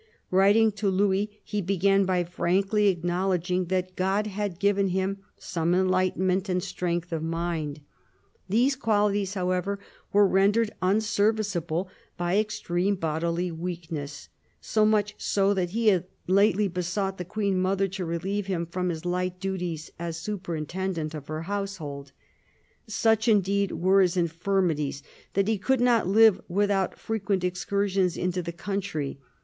Writing to Louis, he began by frankly acknowledging that God had given him " some enlightenment and strength of mind." These THE CARDINAL 141 qualities, however, were rendered unserviceable by extreme bodily weakness — so much so that he had lately besought the Queen mother to relieve him from his light duties as superintendent of her household. Such indeed were his infirmities that he could not live without frequent excur sions into the country.